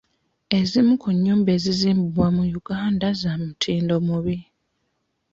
Ezimu ku nnyumba ezizimbibwa mu Uganda za mutindo mubi.